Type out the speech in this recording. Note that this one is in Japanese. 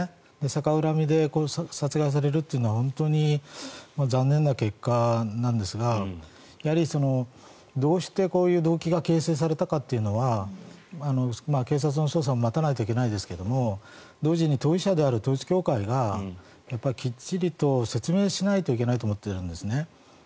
逆恨みで殺害されるというのは本当に残念な結果なんですがやはり、どうしてこういう動機が形成されたかっていうのは警察の捜査も待たないといけないですが同時に、当事者である統一教会がきっちりと説明しないといけないと思っているんですね。